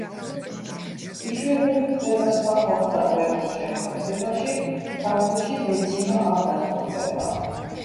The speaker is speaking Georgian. იშვიათად გვხვდება სხვა ხალხთა პოეტურ შემოქმედებაში, ქართულში დეციმა არ დასტურდება.